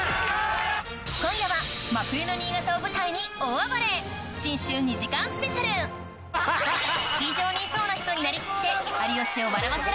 今夜は真冬の新潟を舞台に大暴れスキー場にいそうな人になりきって有吉を笑わせろ！